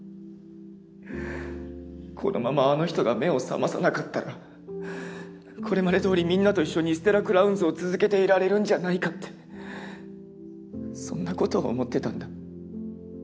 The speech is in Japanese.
このままあの人が目を覚まさなかったらこれまでどおりみんなと一緒にステラクラウンズを続けていられるんじゃないかってそんなこと思ってたんだ。